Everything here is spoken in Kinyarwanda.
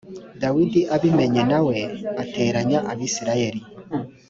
dawidi abimenye na we ateranya abisirayeli